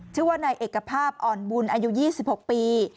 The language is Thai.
ชื่อว่านายเอกภาพอ่อนบุญอายุ๒๖ปี